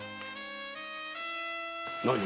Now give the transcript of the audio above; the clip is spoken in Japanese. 何？